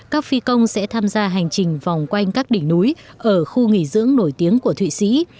các phi công sẽ tham gia hành trình vòng quanh các đỉnh núi ở khu nghỉ dưỡng nổi tiếng của thụy sĩ